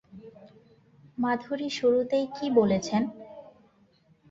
মাধুরী শুরুতেই কি বলেছেন?